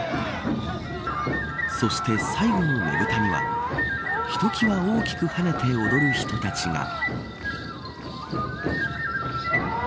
そして最後のねぶたにはひときわ大きく跳ねて踊る人たちが。